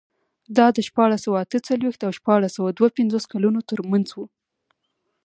دا د شپاړس سوه اته څلوېښت او شپاړس سوه دوه پنځوس کلونو ترمنځ و.